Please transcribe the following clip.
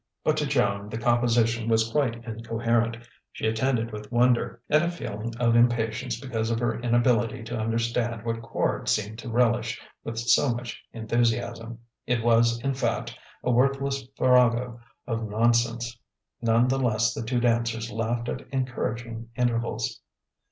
But to Joan the composition was quite incoherent. She attended with wonder and a feeling of impatience because of her inability to understand what Quard seemed to relish with so much enthusiasm. It was, in fact, a worthless farrago of nonsense. None the less the two dancers laughed at encouraging intervals.